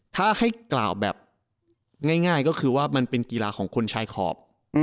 ถ้าให้กล่าวแบบง่ายก็คือว่ามันเป็นกีฬาของคนชายขอบ